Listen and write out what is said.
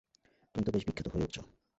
তুমি তো বেশ বিখ্যাত হয়ে উঠছ।